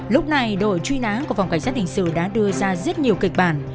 lúc này đội truy nã của phòng cảnh sát hình sự đã đưa ra rất nhiều kịch bản